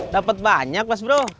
dapet banyak bos bro